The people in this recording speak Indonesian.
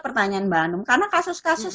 pertanyaan mbak hanum karena kasus kasus